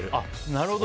なるほど。